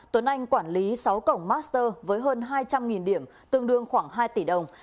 tuấn anh quản lý sáu cổng master với hơn hai trăm linh điểm tương đương khoảng hai tỷ đồng